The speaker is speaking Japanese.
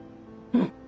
うん。